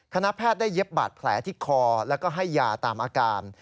คณะแพทย์ได้เย็บบาดแผลที่คอแล้วก็ให้ยาตามอาการ